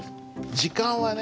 時間はね